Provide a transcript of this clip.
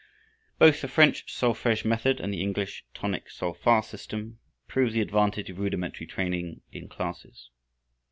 Both the French Solfège method and the English Tonic Sol fa system prove the advantage of rudimentary training in classes.